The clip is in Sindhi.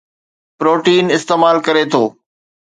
پروٽين استعمال ڪري ٿو